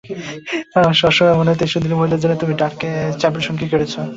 আমার সবসময় মনেহত, এই সুন্দরী মহিলার জন্যই তুমি ডার্ককে তোমার চ্যাপেল সঙ্গী করেছো।